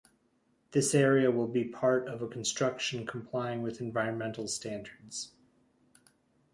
This area will be part of a construction complying with environmental standards.